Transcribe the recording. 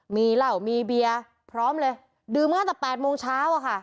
มีเหล้ามีเบียร์พร้อมเลยดื่มมาตั้งแต่๘โมงเช้าอะค่ะ